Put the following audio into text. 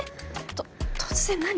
と突然何？